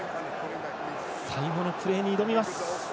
最後のプレーに挑みます。